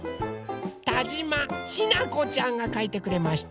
たじまひなこちゃんがかいてくれました。